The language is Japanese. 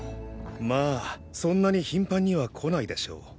まぁそんなに頻繁には来ないでしょう。